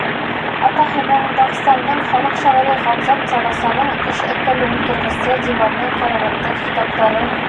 Атаһының, Дағстандың халыҡ шағиры Ғамзат Цадасаның эш өҫтәле, ултырғысы, диваны, карауаты, китаптары...